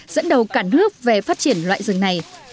dẫn đầu cả nước về phát triển loại rừng này